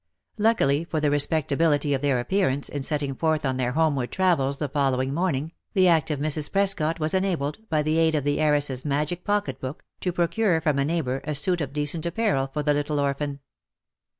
Luckily for the respectability of their appearance, in setting forth on their homeward travels the following morning, the active Mrs. Prescot was enabled, by the aid of the heiress's magic pocket book, to pro cure from a neighbour a suit of decent apparel for the little orphan.